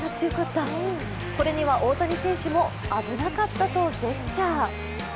これには大谷選手も危なかったとジェスチャー。